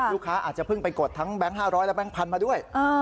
อาจจะเพิ่งไปกดทั้งแบงค์๕๐๐และแก๊งพันธุ์มาด้วย